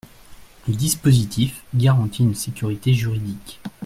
Le dispositif garantit une sécurité juridique.